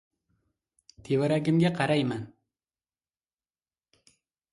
Tevaragimga qarayman.